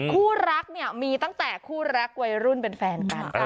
คู่รักเนี่ยมีตั้งแต่คู่รักวัยรุ่นเป็นแฟนกัน